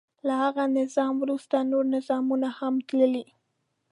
له هغه نظام وروسته نور نظامونه هم تللي.